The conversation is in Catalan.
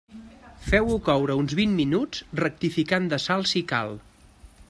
Feu-ho coure uns vint minuts, rectificant de sal si cal.